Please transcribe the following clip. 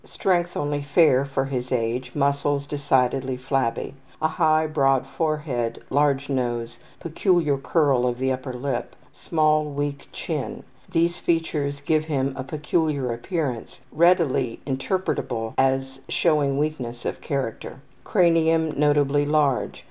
Strength only fair; for his age, muscles decidedly flabby. A high, broad forehead. Large nose. Peculiar curl of the upper lip. Small, weak chin. These features give him a peculiar appearance readily interpretable as showing weakness of character. Cranium notably large.